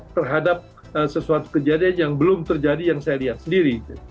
terhadap sesuatu kejadian yang belum terjadi yang saya lihat sendiri